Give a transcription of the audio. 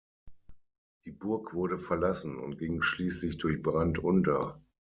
Die Burg wurde verlassen und ging schließlich durch Brand unter.